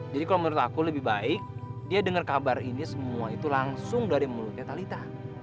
jadi kalau menurut aku lebih baik dia dengar kabar ini semua itu langsung dari mulutnya talitha